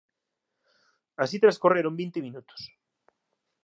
Así transcorreron vinte minutos.